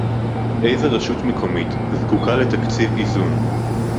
איזו רשות מקומית זקוקה לתקציב איזון